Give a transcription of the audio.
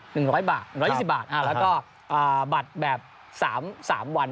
หนึ่งร้อยบาทร้อยยี่สิบบาทอ่าแล้วก็อ่าบัตรแบบสามสามวัน